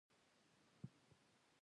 لعل د افغانستان د بڼوالۍ برخه ده.